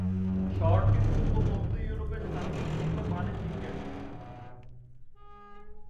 শহরটি পূর্ব মধ্য ইউরোপের সাংস্কৃতিক ও বাণিজ্যিক কেন্দ্র।